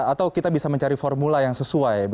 atau kita bisa mencari formula yang sesuai